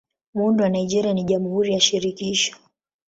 Muundo wa Nigeria ni Jamhuri ya Shirikisho.